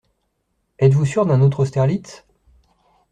Êtes-vous sûr d'un autre Austerlitz?